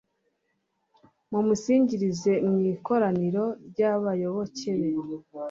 mumusingirize mu ikoraniro ry'abayoboke be